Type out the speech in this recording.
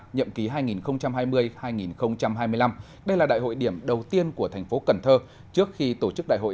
nhậm ký hai nghìn hai mươi hai nghìn hai mươi năm đây là đại hội điểm đầu tiên của thành phố cần thơ trước khi tổ chức đại hội